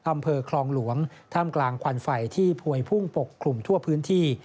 อำเภอคลองหลวงท่ามกลางควันไฟที่พวยพุ่งปกคลุมทั่วพื้นที่